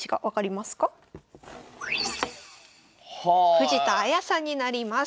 藤田綾さんになります。